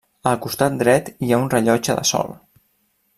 Al costat dret hi ha un rellotge de sol.